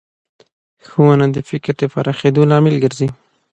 ښوونه د فکر پراخېدو لامل ګرځي